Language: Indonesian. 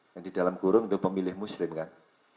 yang di dalam gurung itu pemilih muslim kan